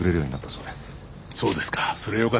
そうですか。